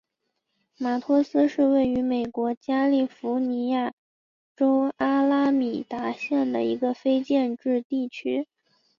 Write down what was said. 马托斯是位于美国加利福尼亚州阿拉米达县的一个非建制地区。